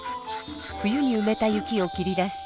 冬にうめた雪を切り出し。